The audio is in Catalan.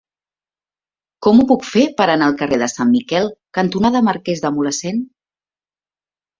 Com ho puc fer per anar al carrer Sant Miquel cantonada Marquès de Mulhacén?